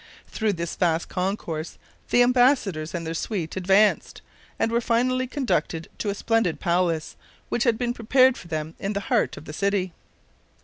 Through this vast concourse the embassadors and their suite advanced, and were finally conducted to a splendid palace which had been prepared for them in the heart of the city.